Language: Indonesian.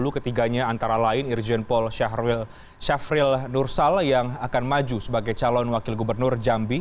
ketiganya antara lain irjen paul syafril nursal yang akan maju sebagai calon wakil gubernur jambi